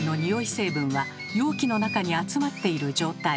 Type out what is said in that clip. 成分は容器の中に集まっている状態。